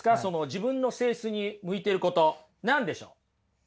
自分の性質に向いてること何でしょう。